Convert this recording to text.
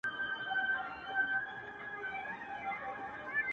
د زړه په كور كي دي بل كور جوړكړی ـ